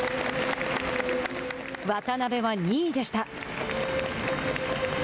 渡邊は２位でした。